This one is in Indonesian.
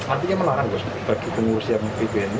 artinya melarang bagi pengurus yang pbnu